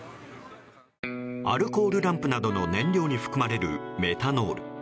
アルコールランプなどの燃料に含まれるメタノール。